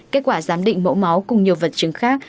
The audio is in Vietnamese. kết quả giám định mẫu máu cùng nhiều vật chứng khác